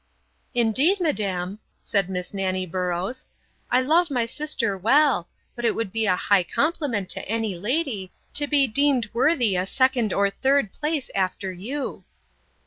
Indeed, madam, said Miss Nanny Boroughs, I love my sister well; but it would be a high compliment to any lady, to be deemed worthy a second or third place after you.